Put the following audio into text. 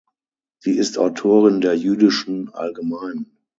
Sie ist Autorin der "Jüdischen Allgemeinen".